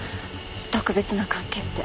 特別な関係って。